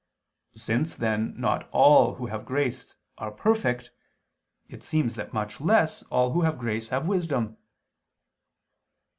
Since then not all who have grace are perfect, it seems that much less all who have grace have wisdom.